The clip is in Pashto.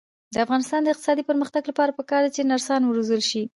د افغانستان د اقتصادي پرمختګ لپاره پکار ده چې نرسان وروزل شي.